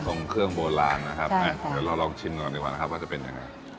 ของเครื่องโบราณนะครับนะเดี๋ยวเราลองชิมก่อนดีกว่านะครับว่าจะเป็นยังไง